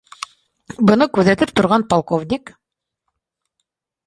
Быны күҙәтеп торған полковник: